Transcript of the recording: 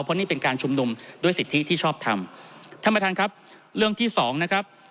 เพราะนี่เป็นการชุมนุมด้วยสิทธิที่ชอบทำท่านประธานครับเรื่องที่สองนะครับ